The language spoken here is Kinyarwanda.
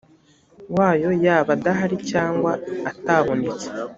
wayo yaba adahari cyangwa atabonetse